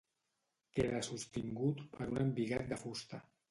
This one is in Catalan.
Queda sostingut per un embigat de fusta.